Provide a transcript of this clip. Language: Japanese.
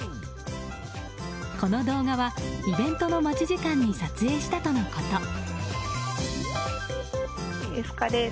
この動画はイベントの待ち時間に撮影したとのこと。